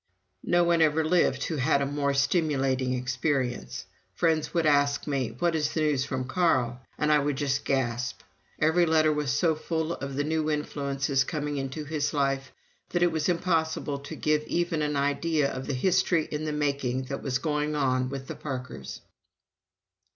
No one ever lived who had a more stimulating experience. Friends would ask me: "What is the news from Carl?" And I would just gasp. Every letter was so full of the new influences coming into his life, that it was impossible to give even an idea of the history in the making that was going on with the Parkers.